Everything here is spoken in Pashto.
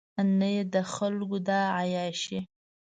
نه یې د خلکو دا عیاشۍ.